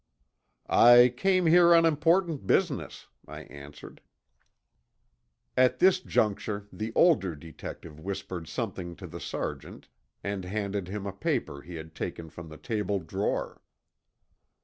"I came here on important business," I answered. At this juncture the older detective whispered something to the Sergeant and handed him a paper he had taken from the table drawer.